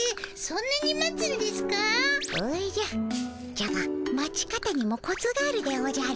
じゃが待ち方にもコツがあるでおじゃる。